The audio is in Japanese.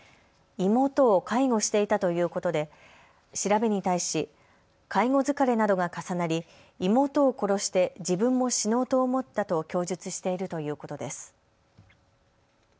妹を介護していたということで調べに対し介護疲れなどが重なり妹を殺して自分も死のうと思ったと供述しているということです。